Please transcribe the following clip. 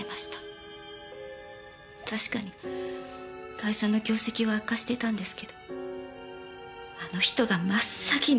確かに会社の業績は悪化してたんですけどあの人が真っ先に。